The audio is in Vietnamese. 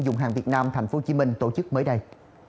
dùng hàng việt nam tp hcm tổ chức mới đây